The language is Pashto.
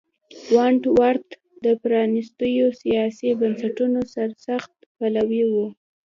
ونټ ورت د پرانیستو سیاسي بنسټونو سرسخت پلوی و.